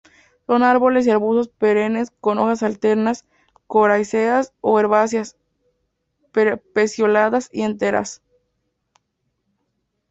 Son árboles y arbustos perennes con hojas alternas, coriáceas o herbáceas, pecioladas y enteras.